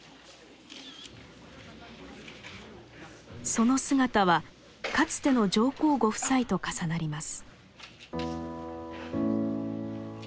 その姿はかつての上皇ご夫妻と重なります。